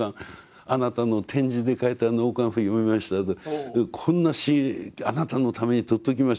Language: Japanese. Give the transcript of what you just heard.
「あなたの点字で書いた『納棺夫』読みました」と「こんな詩あなたのために取っておきました」